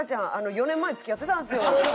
４年前付き合ってたんですよ」。